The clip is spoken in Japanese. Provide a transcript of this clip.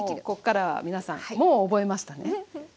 ここからは皆さんもう覚えましたね？